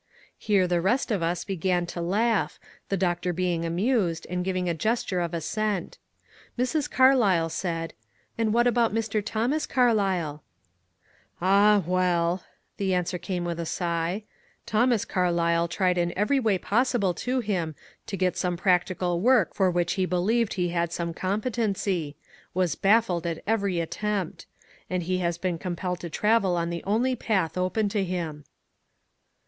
Here the rest of us began to laugh, the doctor being amused and giving a gesture of assent. Mrs. Carlyle said, *^ And what about Mr. Thomas Carlyle ?''" Ah, well," the answer came with a sigh, Thomas Carlyle tried in every way possible to him to get some practical work for which he believed he had some competency ; was baffled at every attempt ; and he has been compelled to travel on the only path open to him."